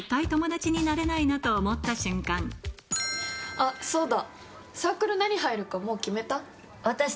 あっそうだ。